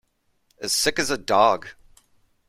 As sick as a dog.